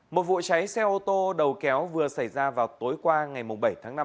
một vụ cháy xe ô tô đầu kéo vừa xảy ra vào tối qua ngày bảy tháng năm